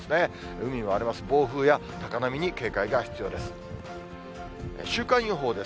海は荒れますし、暴風や高波に警戒が必要です。